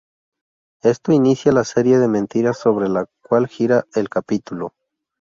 Esto inicia la serie de mentiras sobre la cual gira el capítulo.